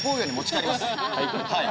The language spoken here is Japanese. はい。